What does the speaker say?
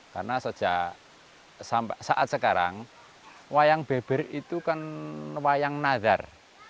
karena sejak saat sekarang wayang beber itu kan wayang nazar